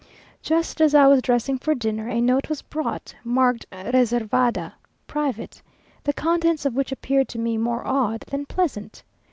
Just as I was dressing for dinner, a note was brought, marked reservada (private), the contents of which appeared to me more odd than pleasant.